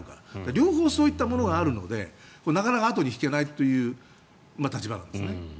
両方、そういったものがあるのでなかなか後に引けないという立場なんですね。